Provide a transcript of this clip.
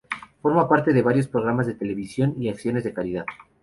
Forma parte de varios programas de televisión y acciones de caridad.